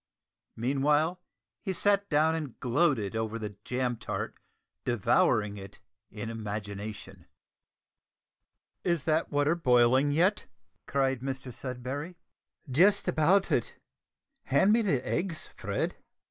Meanwhile, he sat down and gloated over the jam tart, devouring it in imagination. "Is that water boiling yet?" cried Mr Sudberry. "Just about it. Hand me the eggs, Fred."